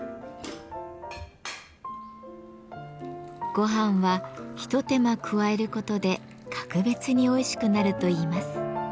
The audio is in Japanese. ごはんは一手間加えることで格別においしくなるといいます。